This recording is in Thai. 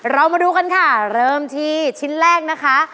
เรามาดูกันค่ะเริ่มที่ชิ้นแรกนะคะ